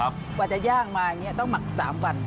กว่าจะย่างมาอย่างนี้ต้องหมัก๓วัน